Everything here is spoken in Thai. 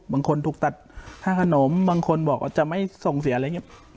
บางคนถูกตัดค่าขนมบางคนบอกว่าจะไม่ส่งเสียอะไรอย่างนี้